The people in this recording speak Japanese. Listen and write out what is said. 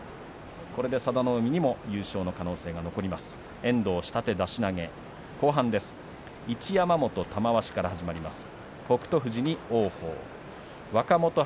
これで佐田の海にも優勝の可能性が残ります。